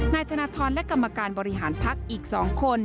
นายธนทรและกรรมการบริหารพักอีก๒คน